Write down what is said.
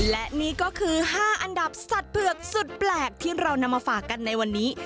และนี่ก็คือ๕อันดับสัตว์เผือกสุดแปลกที่เรานำมาฝากกันในวันนี้